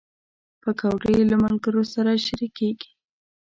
پکورې له ملګرو سره شریکېږي